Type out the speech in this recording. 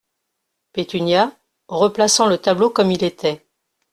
Pétunia , replaçant le tableau comme il était.